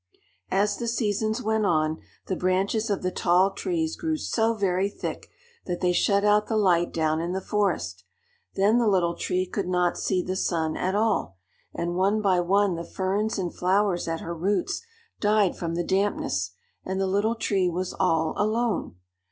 As the seasons went on, the branches of the tall trees grew so very thick that they shut out the light down in the forest. Then the Little Tree could not see the sun at all, and one by one the ferns and flowers at her roots died from the dampness, and the Little Tree was all alone!